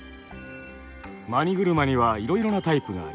マニ車にはいろいろなタイプがあります。